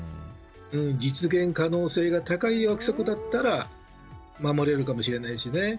実現可能性が高い約束だったら守れるかもしれないしね。